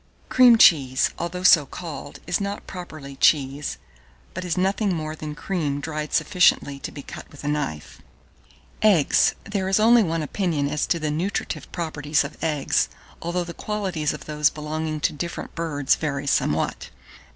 Cream cheese, although so called, is not properly cheese, but is nothing more than cream dried sufficiently to be cut with a knife. EGGS. 1623. There is only one opinion as to the nutritive properties of eggs, although the qualities of those belonging to different birds vary somewhat.